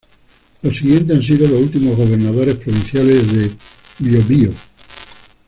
Los siguientes han sido los últimos gobernadores provinciales de Biobío.